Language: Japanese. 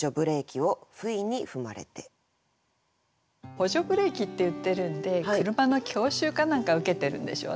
「補助ブレーキ」って言ってるんで車の教習か何か受けてるんでしょうね。